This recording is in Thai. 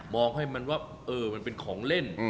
มองให้มันว่าเออมันเป็นของเล่น